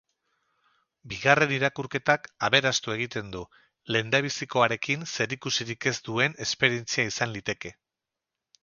Bigarren irakurketak aberastu egiten du, lehendabizikoarekin zerikusirik ez duen esperientzia izan liteke.